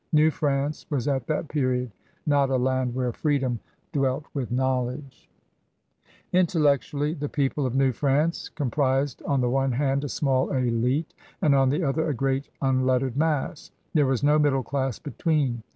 New France was at that period not a land where free dom dwelt with knowledge. ISS CRUSADERS OF NEW FRANCE InteUectually, the people of New France com* prised on the one hand a small 61ite and on the other a great unlettered mass. There was no middle class between.